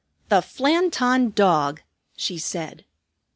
"The Flanton Dog!" she said.